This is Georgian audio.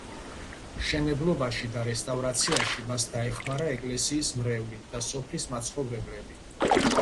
მშენებლობაში და რესტავრაციაში მას დაეხმარა ეკლესიის მრევლი და სოფლის მაცხოვრებლები.